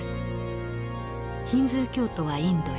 ヒンズー教徒はインドへ。